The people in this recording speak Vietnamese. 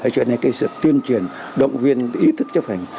cho nên cái sự tiên truyền động viên ý thức chấp hành